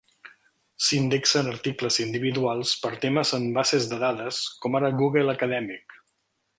S'indexen articles individuals per temes en bases de dades, com ara Google Acadèmic.